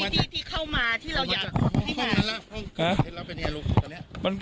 มันถือว่ามันเป็นกระบวนการที่เข้ามาที่เราอยาก